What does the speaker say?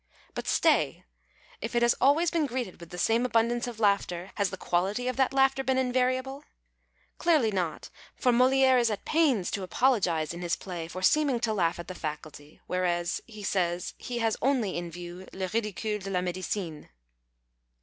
... But stay ! If it has always been greeted with the same abundance of laughter, has the quality of that laughter been invariable ? Clearly not, for Molidrc is at pains to apologize in his 182 VICISSITUDES OF CLASSICS play for seeming to laugh at the faculty, whereas, he says, he has only in view " le ridicule dv la nicdeeine."